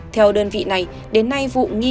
theo đơn vị này đến nay vụ nghi